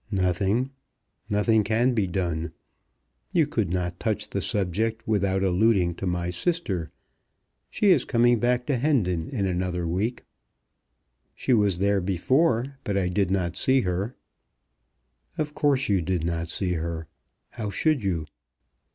"Nothing. Nothing can be done. You could not touch the subject without alluding to my sister. She is coming back to Hendon in another week." "She was there before, but I did not see her." "Of course you did not see her. How should you?"